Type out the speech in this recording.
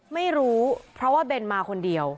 ไม่รู้เพราะว่าเบนมาคนเดียว